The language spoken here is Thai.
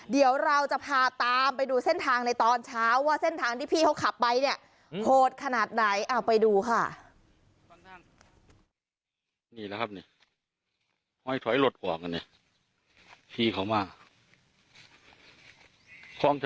เดี๋ยวเราจะพาตามไปดูเส้นทางในตอนเช้าว่าเส้นทางที่พี่เขาขับไปเนี่ยโหดขนาดไหนเอาไปดูค่ะ